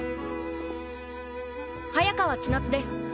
早川千夏です。